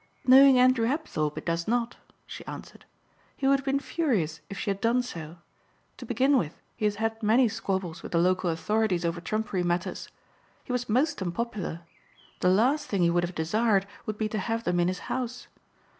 "Knowing Andrew Apthorpe it does not," she answered. "He would have been furious if she had done so. To begin with he has had many squabbles with the local authorities over trumpery matters. He was most unpopular. The last thing he would have desired would be to have them in his house.